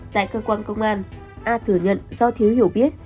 tại cơ quan công an a thừa nhận do thiếu hiểu biết